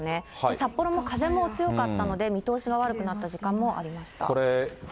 札幌も風も強かったので、見通しが悪くなった時間もありました。